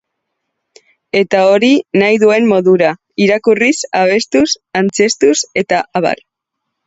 Eta, hori, nahi duen modura: irakurriz, abestuz, antzeztuz eta abar.